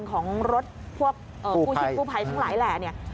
ของรถพวกกู้ชิดกู้ภัยทั้งหลายแหล่เนี่ย